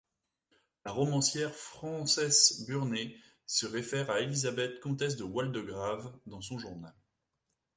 La romancière Frances Burney se réfère à Élisabeth, comtesse Waldegrave dans son journal.